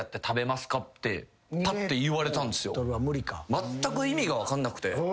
まったく意味が分かんなくて。